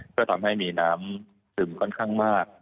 ก็ทำให้มีน้ำซึมค่อนข้างมาก